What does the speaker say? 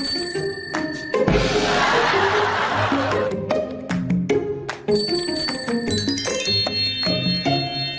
สวัสดีค่ะ